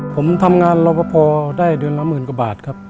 ผมทำงานราพพอได้เดือนละหมื่นบาทครับ